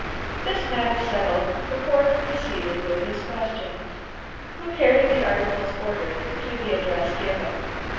This matter settled, the Coroner proceeded with his questions. "Who carried the articles ordered, to the address given?"